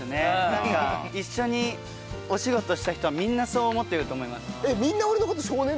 なんか一緒にお仕事した人はみんなそう思ってると思います。